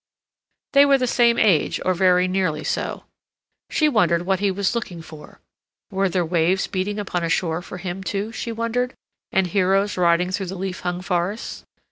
They were the same age, or very nearly so. She wondered what he was looking for; were there waves beating upon a shore for him, too, she wondered, and heroes riding through the leaf hung forests?